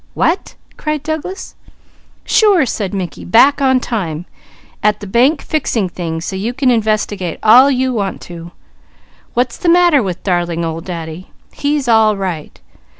"What?" cried Douglas. "Sure!" said Mickey. "Back on time! At the bank fixing things so you can investigate all you want to. What's the matter with 'darling old Daddy?' _He's all right!